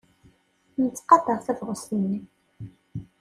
Nettqadar tabɣest-nnem.